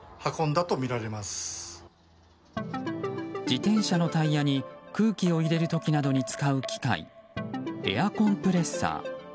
自転車のタイヤに空気を入れる時などに使う機械エアコンプレッサー。